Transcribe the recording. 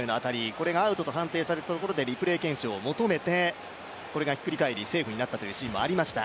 これがアウトと判定されたところでリプレー検証を求めて、これがひっくり返りセーフになったというシーンももあまた。